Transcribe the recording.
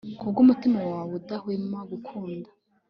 kubwumutima wawe udahwema gukunda